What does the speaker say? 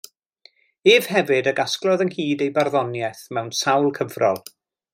Ef hefyd a gasglodd ynghyd ei barddoniaeth, mewn sawl cyfrol.